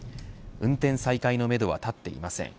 運転再開のめどは立っていません。